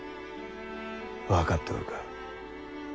分かっておるか？